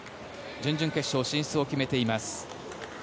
準々決勝進出を決めています。